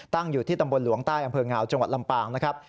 อยู่ที่ตำบลหลวงใต้อำเภองาวจังหวัดลำปางนะครับ